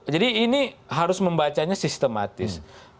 jadi ini harus membacanya sistematis